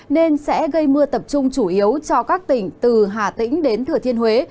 nên sẽ gây mưa tập trung chủ yếu cho các tỉnh từ hà tĩnh đến thừa thiên huế